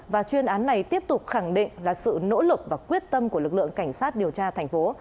và chuyên án này tiếp tục khẳng định là sự nỗ lực và quyết tâm của lực lượng cảnh sát điều tra thành phố